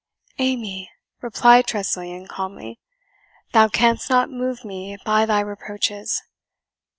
"Amy," replied Tressilian calmly, "thou canst not move me by thy reproaches.